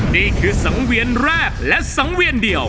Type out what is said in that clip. นี่คือสังเวียนแรกและสังเวียนเดียว